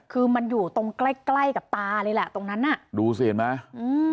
คือมันอยู่ตรงใกล้ใกล้กับตาเลยแหละตรงนั้นน่ะดูสิเห็นไหมอืม